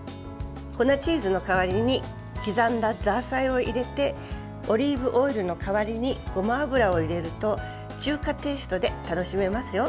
粉チーズの代わりに刻んだザーサイを入れてオリーブオイルの代わりにごま油を入れると中華テイストで楽しめますよ。